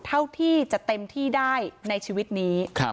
เท่าที่จะเต็มที่ได้ในชีวิตนี้